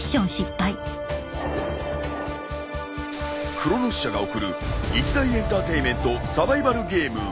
［クロノス社が送る一大エンターテインメントサバイバルゲーム］